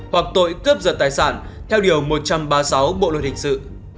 hoặc tội cướp giật tài sản theo điều một trăm ba mươi sáu bộ luật hình sự